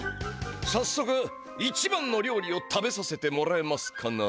さっそく一番の料理を食べさせてもらえますかな？